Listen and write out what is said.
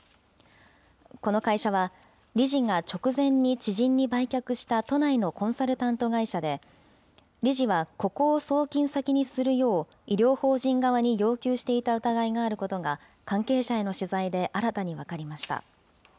この会社は、理事が直前に知人に売却した都内のコンサルタント会社で、理事はここを送金先にするよう、医療法人側に要求していた疑いがあることが、関係者への取材で新たに分かりました。